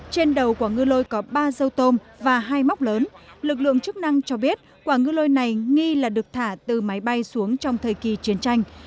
trên đầu của ngư lôi có ba dâu tôm và hai móc lớn lực lượng chức năng cho biết quả ngư lôi này nghi là được thả từ máy bay xuống trong thời kỳ chiến tranh